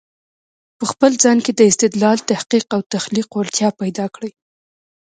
په خپل ځان کې د استدلال، تحقیق او تخليق وړتیا پیدا کړی